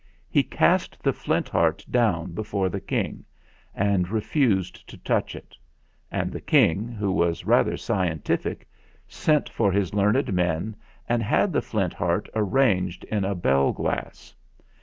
He cast the Flint Heart down before the King and refused to touch it; and the King, who was rather scientific, sent for his learned men and had the Flint Heart arranged in a bell glass.